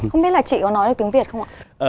không biết là chị có nói được tiếng việt không ạ